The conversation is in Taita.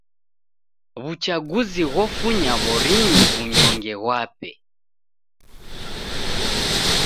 W'uchaguzi ghofunya w'orinyi w'unyonge ghwape.